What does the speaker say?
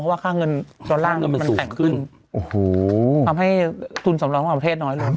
เพราะว่าค่าเงินต่อล่างมันแตกขึ้นความที่สำรองของประเทศน้อยลง